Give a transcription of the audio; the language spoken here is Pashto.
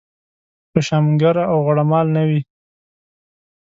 خوشامنګر او غوړه مال نه وي.